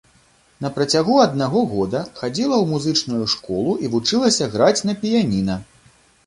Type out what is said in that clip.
На працягу аднаго года хадзіла ў музычную школу і вучылася граць на піяніна.